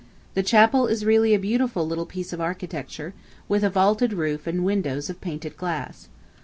The chapel is really a beautiful little piece of architecture, with a vaulted roof and windows of painted glass.